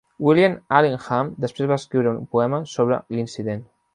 William Allingham després va escriure un poema sobre l'incident.